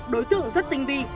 đối tượng rất tinh vi